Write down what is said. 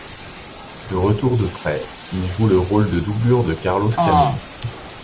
De retour de prêt, il joue le rôle de doublure de Carlos Kameni.